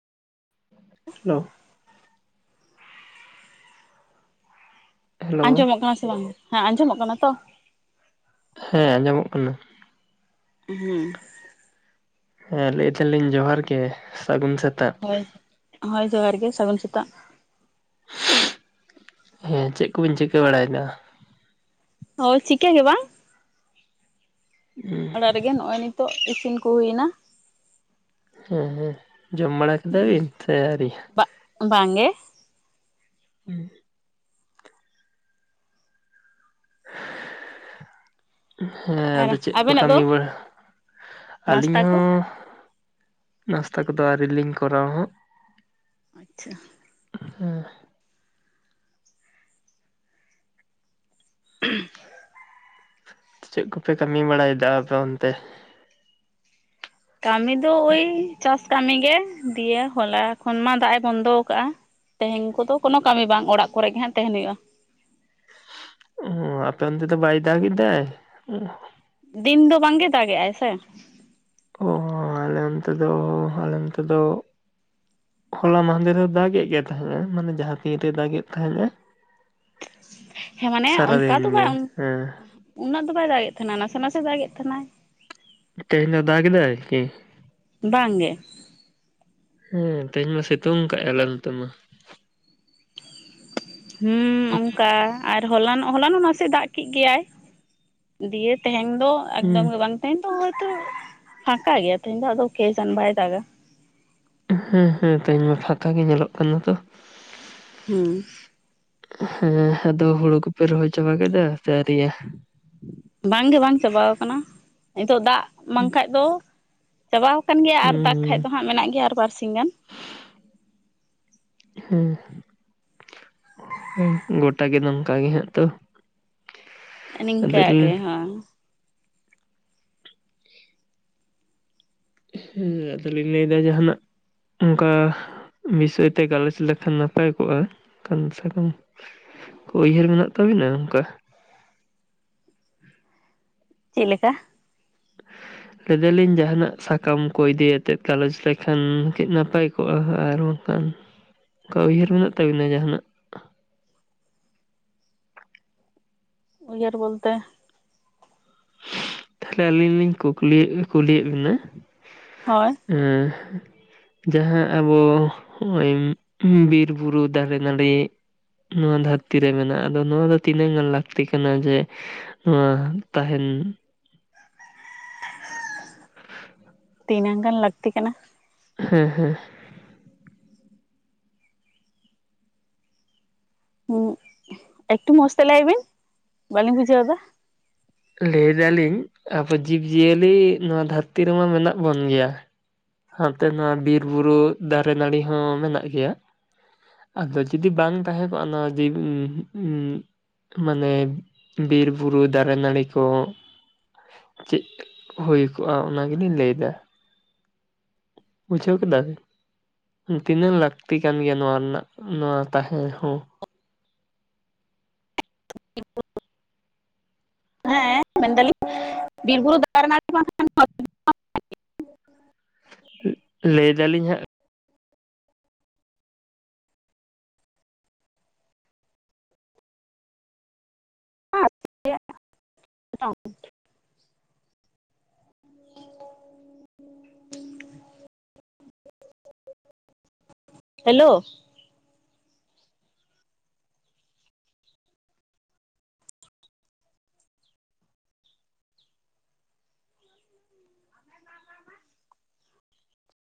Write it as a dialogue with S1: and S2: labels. S1: Hello hello
S2: ᱟᱸᱡᱚᱢᱚᱜ ᱠᱟᱱᱟ ᱥᱮ ᱵᱟᱝ, ᱦᱮᱸ ᱟᱸᱡᱚᱢᱚᱜ ᱠᱟᱱᱟ ᱛᱚ?
S1: ᱦᱮᱸ ᱟᱸᱡᱚᱢᱚᱜ ᱠᱟᱱᱟ᱾
S2: ᱦᱩᱸ᱾
S1: ᱦᱮᱸ ᱞᱟᱹᱭᱫᱟᱞᱤᱧ ᱡᱚᱦᱟᱨ ᱜᱮ, ᱥᱟᱹᱜᱩᱱ ᱥᱮ
S2: ᱦᱳᱭ, ᱦᱳᱭ ᱡᱚᱦᱟᱨ ᱜᱮ ᱥᱟᱹᱜᱩᱱ ᱥᱮᱛᱟᱜ᱾
S1: ᱦᱮᱸ ᱪᱮᱫ ᱠᱚᱵᱤᱱ ᱪᱤᱠᱟᱹ ᱵᱟᱲᱟᱭᱫᱟ?
S2: ᱦᱳᱭ ᱪᱤᱠᱟᱹ ᱜᱮ ᱵᱟᱝ,
S1: ᱦᱮᱸ
S2: ᱚᱲᱟᱜ ᱨᱮᱜᱮ᱾ ᱜᱮ ᱱᱚᱜ-ᱚᱭ ᱱᱤᱛᱚᱜ ᱤᱥᱤᱱ ᱠᱚ ᱦᱩᱭ ᱮᱱᱟ᱾
S1: ᱦᱩᱸ ᱦᱩᱸ᱾ ᱡᱚᱢ ᱵᱟᱲᱟ ᱠᱮᱫᱟ ᱵᱤᱱ ᱥᱮ ᱟᱣᱨᱤᱭᱟ?
S2: ᱵᱟᱝ ᱜᱮ᱾
S1: ᱦᱩᱸ᱾ ᱦᱮᱸ
S2: ᱟᱨ
S1: ᱟᱫᱚ ᱪᱮᱫ ᱠᱚ
S2: ᱟᱵᱮᱱᱟᱜ ᱫᱚ
S1: ᱠᱟᱹᱢᱤ ᱵᱟᱲᱟ? ᱟᱹᱞᱤᱧ
S2: ᱱᱟᱥᱛᱟ ᱠᱚ
S1: ᱦᱚᱸ ᱱᱟᱥᱛᱟ ᱠᱚᱫᱚ ᱟᱣᱨᱤ ᱞᱤᱧ ᱠᱚᱨᱟᱣᱟ ᱦᱟᱸᱜ᱾
S2: ᱟᱪᱪᱷᱟ᱾
S1: ᱦᱩᱸ᱾
S2: [inaudible]
S1: ᱪᱮᱫ ᱠᱚᱯᱮ ᱠᱟᱹᱢᱤ ᱵᱟᱲᱟᱭᱫᱟ ᱟᱯᱮ ᱚᱱᱛᱮ?
S2: ᱠᱟᱢᱤ ᱫᱚ ᱳᱭ ᱪᱟᱥ ᱠᱟᱢᱤ ᱜᱮ, ᱫᱤᱭᱮ ᱦᱚᱞᱟ ᱠᱷᱚᱱ ᱢᱟ ᱫᱟᱜ ᱮ ᱵᱚᱱᱫᱚ ᱠᱟᱜᱼᱟ᱾ ᱛᱮᱦᱮᱧ ᱠᱚᱫᱚ ᱠᱚᱱᱚ ᱠᱟᱹᱢᱤ ᱵᱟᱝ ᱚᱲᱟᱜ ᱠᱚᱨᱮ ᱜᱮ ᱦᱟᱸᱜ ᱛᱟᱦᱮᱱ ᱦᱳᱭᱳᱜᱼᱟ᱾
S1: ᱦᱩᱸ ᱟᱯᱮ ᱚᱱᱛᱮ ᱫᱚ ᱵᱟᱭ ᱫᱟᱜᱮᱫᱟᱭ?
S2: ᱫᱤᱱ ᱫᱚ ᱵᱟᱝ ᱜᱮ ᱫᱟᱜᱮᱜ-ᱟᱭ ᱥᱮ᱾
S1: ᱚ ᱦᱚᱸ ᱟᱞᱮ ᱚᱱᱛᱮ ᱫᱚ ᱟᱞᱮ ᱚᱱᱛᱮ ᱫᱚ, ᱦᱚᱞᱟ ᱢᱟᱦᱫᱮᱨ ᱦᱚᱸ ᱫᱟᱜᱮᱫ ᱜᱮ ᱛᱟᱦᱮᱸᱫ-ᱮ ᱢᱟᱱᱮ ᱡᱟᱦᱟᱸ ᱛᱤᱱ ᱨᱮᱭ ᱫᱟᱜᱮᱫ ᱛᱟᱦᱮᱸᱫ-ᱮ᱾
S2: ᱦᱮᱸ ᱢᱟᱱᱮ ᱚᱝᱠᱟ
S1: ᱥᱟᱨᱟᱫᱤᱱ
S2: ᱫᱚ
S1: ᱜᱮ
S2: ᱵᱟᱝ,
S1: ᱦᱮᱸ
S2: ᱩᱱᱟᱹᱜ ᱫᱚ ᱵᱟᱭ ᱫᱟᱜᱮᱫ ᱛᱟᱦᱮᱸᱱᱟ ᱱᱟᱥᱮ ᱱᱟᱥᱮ ᱫᱟᱜᱮᱫ ᱛᱟᱦᱮᱸᱱᱟᱭ᱾
S1: ᱛᱮᱦᱮᱧ ᱫᱚ ᱫᱟᱜ ᱮᱫᱟᱭ ᱠᱤ?
S2: ᱵᱟᱝ ᱜᱮ᱾
S1: ᱦᱮᱸ ᱛᱮᱦᱮᱧ ᱢᱟ ᱥᱤᱛᱳᱝ ᱠᱟᱜ-ᱟᱭ ᱟᱞᱮ ᱱᱚᱱᱛᱮ ᱢᱟ᱾
S2: ᱦᱤᱸ ᱚᱝᱠᱟ ᱟᱨ ᱦᱚᱞᱟᱱᱚᱜ ᱦᱚᱞᱟᱱᱚᱜ ᱱᱟᱥᱮ ᱫᱟᱜ ᱠᱮᱜ ᱜᱮᱭᱟᱭ᱾ ᱫᱤᱭᱮ ᱛᱟᱦᱮᱧ ᱫᱚ ᱮᱠᱫᱚᱢ
S1: ᱦᱩᱸ
S2: ᱜᱮ ᱵᱟᱝ ᱛᱮᱦᱮᱧ ᱫᱚ ᱦᱚᱭᱛᱚ, ᱯᱷᱟᱸᱠᱟ ᱜᱮᱭᱟ ᱛᱮᱦᱮᱧ ᱟᱫᱚ ᱠᱮᱡᱟᱱᱤ ᱵᱟᱭ ᱫᱟᱜᱟ᱾
S1: ᱦᱮᱸ ᱦᱮᱸ ᱛᱮᱦᱮᱧ ᱢᱟ ᱯᱷᱟᱸᱠᱟ ᱜᱮ ᱧᱮᱞᱚᱜ ᱠᱟᱱᱟ ᱛᱚ᱾
S2: ᱦᱩᱸ᱾
S1: ᱦᱮᱸ ᱟᱫᱚ ᱦᱩᱲᱩ ᱠᱚᱯᱮ ᱨᱚᱦᱚᱭ ᱪᱟᱵᱟ ᱠᱮᱫᱟ ᱥᱮ ᱟᱣᱨᱤᱭᱟ᱾
S2: ᱵᱟᱝᱜᱮ ᱵᱟᱝ ᱪᱟᱵᱟᱣ ᱠᱟᱱᱟ, ᱱᱤᱛᱚᱜ ᱫᱟᱜ ᱵᱟᱝ ᱠᱷᱟᱡ ᱫᱚ ᱪᱟᱵᱟᱣ ᱟᱠᱟᱱ ᱜᱮᱭᱟ ᱟᱨ ᱫᱟᱜ
S1: ᱦᱩᱸ
S2: ᱠᱷᱟᱱ ᱫᱚ ᱦᱟᱸᱜ ᱢᱮᱱᱟᱜ ᱜᱮᱭᱟ ᱟᱨ ᱵᱟᱨ ᱥᱤᱧ ᱜᱟᱱ᱾
S1: [unintelligible] ᱦᱮᱸ ᱦᱩᱸ ᱜᱚᱴᱟ ᱜᱮ ᱱᱚᱝᱠᱟ ᱜᱮ ᱦᱟᱸᱜ ᱛᱚ᱾
S2: ᱱᱤᱝᱠᱟ ᱜᱮ
S1: ᱟᱫᱚᱞᱤᱧ
S2: ᱦᱚᱸ᱾
S1: ᱦᱩᱸ ᱟᱫᱚᱞᱤᱧ ᱞᱟᱹᱭᱫᱟ ᱡᱟᱦᱟᱱᱟᱜ᱾ ᱚᱱᱠᱟ ᱵᱤᱥᱚᱭ ᱛᱮ ᱜᱟᱞᱚᱪ ᱞᱮᱠᱷᱟᱱ ᱱᱟᱯᱟᱭ ᱠᱚᱜᱼᱟ, ᱠᱚᱢ ᱥᱮ ᱠᱚᱢ᱾ ᱩᱭᱦᱟᱹᱨ ᱢᱮᱱᱟᱜ ᱛᱟᱵᱤᱱᱟ ᱚᱱᱠᱟ?
S2: ᱪᱮᱫ ᱞᱮᱠᱟ?
S1: ᱞᱟᱹᱭ ᱫᱟᱞᱤᱧ ᱡᱟᱦᱟᱱᱟᱜ ᱥᱟᱠᱟᱢ ᱠᱚ ᱤᱫᱤᱭᱟᱛᱮ ᱜᱟᱞᱚᱪ ᱞᱮᱠᱷᱟᱱ ᱠᱤ ᱱᱟᱯᱟᱭ ᱠᱚᱜᱼᱟ ᱟᱨ ᱚᱝᱠᱟᱱ ᱚᱱᱠᱟ ᱩᱭᱦᱟᱹᱨ ᱢᱮᱱᱟᱜ ᱛᱟᱵᱤᱱᱟ ᱡᱟᱦᱟᱱᱟᱜ?
S2: ᱩᱭᱦᱟᱹᱨ ᱵᱚᱞᱛᱮ
S1: ᱛᱟᱦᱞᱮ ᱟᱹᱞᱤᱧ ᱞᱤᱧ ᱠᱩᱠᱞᱤᱭᱮᱜ ᱠᱩᱞᱤᱭᱮᱫ ᱵᱤᱱᱟᱹ᱾
S2: ᱦᱚᱭ᱾
S1: ᱦᱮᱸ ᱡᱟᱦᱟᱸ ᱟᱵᱚ ᱦᱚᱭᱮᱢ ᱦᱩᱸ ᱵᱤᱨ ᱵᱩᱨᱩ ᱫᱟᱨᱮ ᱱᱟᱹᱲᱤ ᱱᱚᱣᱟ ᱫᱷᱟᱹᱨᱛᱤ ᱨᱮ ᱢᱮᱱᱟᱜᱼᱟ ᱟᱫᱚ ᱱᱚᱣᱟ ᱫᱚ ᱛᱤᱱᱟᱹᱜ ᱜᱟᱱ ᱞᱟᱹᱠᱛᱤ ᱠᱟᱱᱟ ᱡᱮ ᱱᱚᱣᱟ ᱛᱟᱦᱮᱱ?
S2: ᱛᱤᱱᱟᱹᱜ ᱜᱟᱱ ᱞᱟᱹᱠᱛᱤ ᱠᱟᱱᱟ᱾
S1: ᱦᱮᱸ ᱦᱮᱸ᱾
S2: ᱦᱩᱸ ᱮᱠᱴᱩ ᱢᱚᱥ ᱛᱮ ᱞᱟᱹᱭ ᱵᱤᱱ ᱵᱟᱞᱤᱧ ᱵᱩᱡᱷᱟᱹᱣ ᱫᱟ᱾
S1: ᱞᱟᱹᱭ ᱫᱟᱞᱤᱧ ᱟᱵᱚ ᱡᱤᱵᱽ ᱡᱤᱭᱟᱹᱞᱤ ᱱᱚᱣᱟ ᱫᱷᱟᱹᱨᱛᱤ ᱨᱮᱢᱟ ᱢᱮᱱᱟᱜ ᱵᱚᱱ ᱜᱮᱭᱟ ᱦᱟᱱ ᱛᱮ ᱱᱚᱣᱟ ᱵᱤᱨ ᱵᱩᱨᱩ ᱫᱟᱨᱮ ᱱᱟᱹᱲᱤ ᱦᱚᱸ ᱢᱮᱱᱟᱜ ᱜᱮᱭᱟ ᱟᱫᱚ ᱡᱩᱫᱤ ᱵᱟᱝ ᱛᱟᱦᱮᱸ ᱠᱚᱜᱼᱟ ᱱᱚᱣᱟ ᱡᱤ ᱩᱸ ᱩᱸ ᱢᱟᱱᱮ ᱵᱤᱨ ᱵᱩᱨᱩ ᱫᱟᱨᱮ ᱱᱟᱹᱲᱤ ᱠᱚ ᱪᱮᱫ ᱛᱮ ᱠᱚ ᱦᱩᱭ ᱠᱚᱜᱼᱟ ᱚᱱᱟ ᱜᱮᱞᱤᱧ ᱞᱟᱹᱭᱫᱟ ᱵᱩᱡᱷᱟᱹᱣ ᱠᱮᱫᱟ ᱵᱮᱱ ᱛᱤᱱᱟᱹᱜ ᱞᱟᱹᱠᱛᱤ ᱠᱟᱱ ᱜᱮᱭᱟ ᱱᱚᱣᱟ ᱨᱮᱱᱟᱜ ᱱᱚᱣᱟ ᱛᱟᱦᱮᱸ ᱦᱚᱸ᱾
S2: [unintelligible] ᱦᱮᱸ ᱢᱮᱱᱫᱟᱞᱤᱧ ᱵᱤᱨ ᱵᱩᱨᱩ ᱫᱟᱨᱮ ᱱᱟᱹᱲᱤ ᱵᱟᱝ- [unintelligible]
S1: ᱞᱟᱹᱭ ᱫᱟᱞᱤᱧ ᱦᱟᱸᱜ᱾
S2: [unintelligible] ᱴᱤᱠᱭᱟ [unintelligible]
S1: [inaudible] [inaudible]
S2: ᱦᱮᱞᱳ